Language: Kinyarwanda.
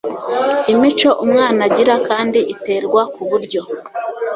Imico umwana agira kandi iterwa ku buryo